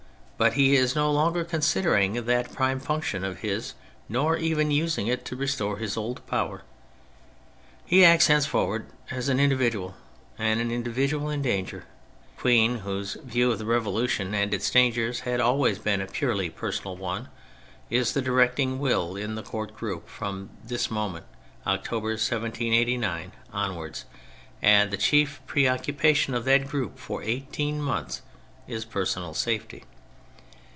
But he is no longer considering that prime function of his, nor even using it to restore his old power. He acts henceforward as an individual, and an individual in danger. The Queen, whose view of the Revolution and its dangers had always been a purely personal one, is the directing will in the court group from this moment, October 1789, onwards; and the chief preoccupation of that group for eighteen months is personal safety.